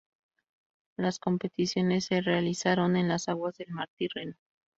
Las competiciones se realizaron en las aguas del mar Tirreno.